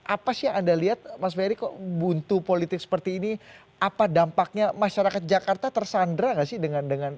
apa sih yang anda lihat mas ferry kok buntu politik seperti ini apa dampaknya masyarakat jakarta tersandra gak sih dengan